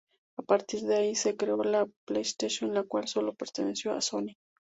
A partir de ahí se creó la PlayStation, la cual sólo perteneció a Sony.